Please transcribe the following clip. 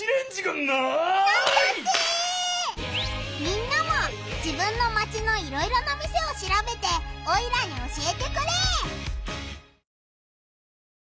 みんなも自分のマチのいろいろな店をしらべてオイラに教えてくれ！